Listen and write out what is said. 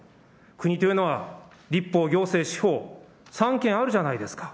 国というのは、立法、行政、司法、三権あるじゃないですか。